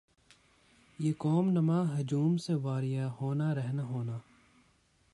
یِہ قوم نما ہجوم سے واریاں ہونا رہنا ہونا